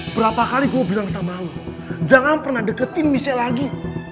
berapa kali gue bilang sama allah jangan pernah deketin misalnya lagi